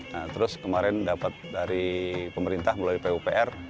nah terus kemarin dapat dari pemerintah melalui pupr